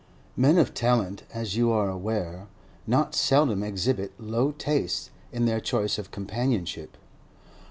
Men of talent, as you are aware, not seldom exhibit low tastes in their choice of companionship.